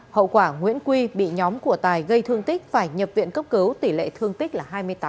hậu quả nguyễn quy bị nhóm của tài gây thương tích phải nhập viện cấp cứu tỷ lệ thương tích là hai mươi tám